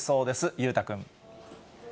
裕太君。